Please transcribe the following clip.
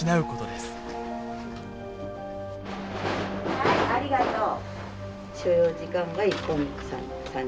はいありがとう。